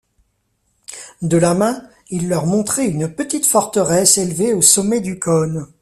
De la main, il leur montrait une petite forteresse élevée au sommet du cône.